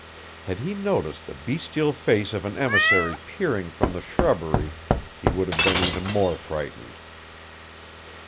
Had he noticed the bestial face of an emissary peering from the shrubbery he would have been even more frightened.